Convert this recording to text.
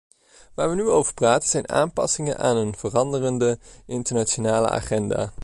Waar we nu over praten zijn aanpassingen aan een veranderde internationale agenda.